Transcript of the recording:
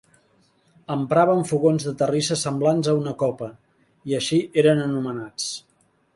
Empraven fogons de terrissa semblants a una copa, i així eren anomenats.